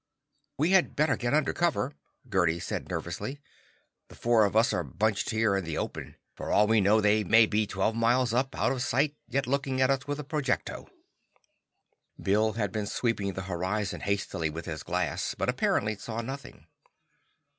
"We had better get under cover," Gerdi said nervously. "The four of us are bunched here in the open. For all we know they may be twelve miles up, out of sight, yet looking at us with a projecto'." Bill had been sweeping the horizon hastily with his glass, but apparently saw nothing.